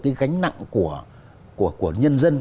cái gánh nặng của nhân dân